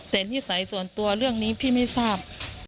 แต่นิสัยส่วนตัวเรื่องนี้พี่ไม่ทราบ